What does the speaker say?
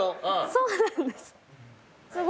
そうなんです。